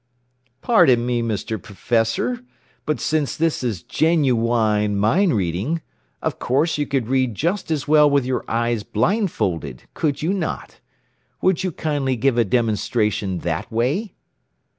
"Pardon me, Mr. Professor, but since this is genuine mind reading, of course you could read just as well with your eyes blindfolded, could you not? Would you kindly give a demonstration that way?"